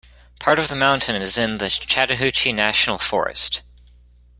Part of the mountain is in the Chattahoochee National Forest.